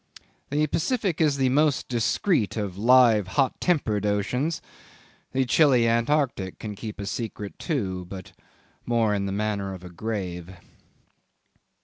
The Pacific is the most discreet of live, hot tempered oceans: the chilly Antarctic can keep a secret too, but more in the manner of a grave.